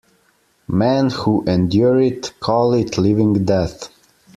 Men who endure it, call it living death.